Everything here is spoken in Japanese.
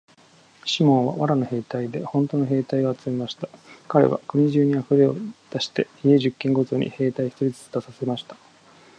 シモンは藁の兵隊でほんとの兵隊を集めました。かれは国中にふれを出して、家十軒ごとに兵隊一人ずつ出させました。